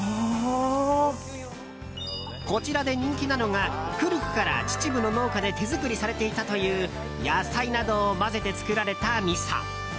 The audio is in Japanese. こちらで人気なのが古くから秩父の農家で手作りされていたという野菜などを混ぜて作られた、みそ。